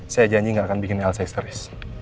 saya janji gak akan bikin elsa istirahat